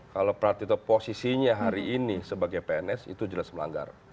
kalau pratito posisinya hari ini sebagai pns itu jelas melanggar